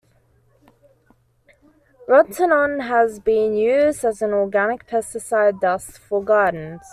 Rotenone has been used as an organic pesticide dust for gardens.